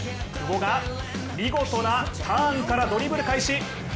久保が見事なターンからドリブル開始。